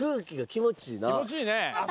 気持ちいいね。